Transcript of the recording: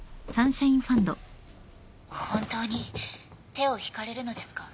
本当に手を引かれるのですか？